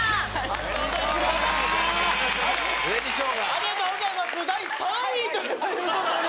ありがとうございます第３位ということで。